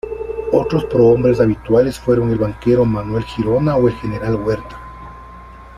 Otros prohombres habituales fueron el banquero Manuel Girona o el general Huerta.